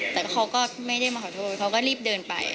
แต่เขาก็ไม่ได้มาขอโทษเขาก็รีบเดินไป